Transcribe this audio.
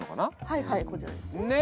はいはいこちらですね。ね。